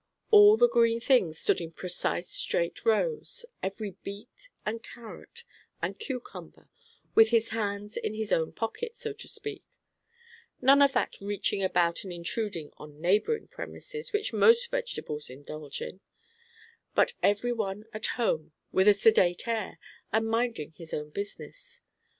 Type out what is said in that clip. All the green things stood in precise straight rows, every beet, and carrot, and cucumber with his hands in his own pocket, so to speak; none of that reaching about and intruding on neighboring premises which most vegetables indulge in; but every one at home, with a sedate air, and minding his own business.